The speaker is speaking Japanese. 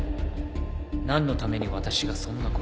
なんのために私がそんな事を？